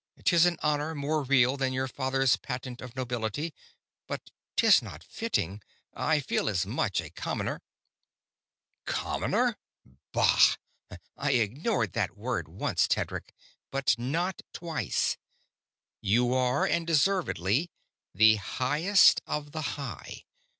'Tis an honor more real than your father's patent of nobility ... but 'tis not fitting. I feel as much a commoner...." "Commoner? Bah! I ignored that word once, Tedric, but not twice. You are, and deservedly, the Highest of the High.